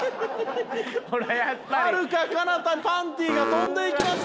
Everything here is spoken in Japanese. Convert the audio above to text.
はるかかなたパンティが飛んでいきました。